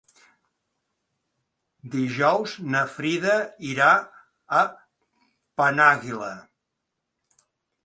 Dijous na Frida irà a Penàguila.